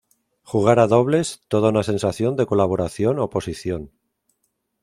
Jugar a dobles, toda una sensación de colaboración-oposición.